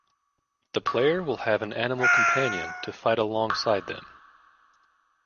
The player will have an animal companion to fight alongside them.